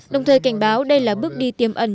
đồng thời cảnh báo đây là bước đi tiêm ẩn